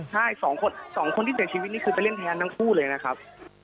ใช่๒คนที่เสียชีวิตนี่คือไปเล่นแทนทั้งคู่เลยนะครับ